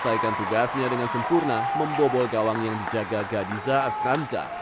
selesaikan tugasnya dengan sempurna membobol gawang yang dijaga gadiza asnanza